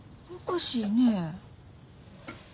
おかしいねえ。